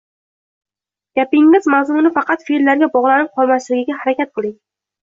Gapingiz mazmuni faqat fe’llarga bog’lanib qolmasligiga harakat qiling